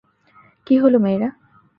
কী হলো, মেয়েরা।